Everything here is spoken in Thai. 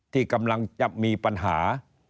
ที่กำลังจะมีปัญหา